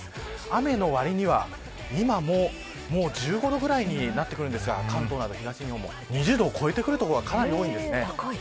雨のわりには今も１５度ぐらいになってくるんですが関東など東日本も２０度を超えてくる所が多いんですね。